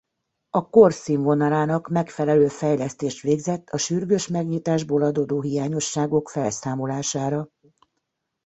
A kor színvonalának megfelelő fejlesztést végzett a sürgős megnyitásból adódó hiányosságok felszámolására.